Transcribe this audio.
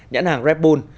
nhãn hàng red bull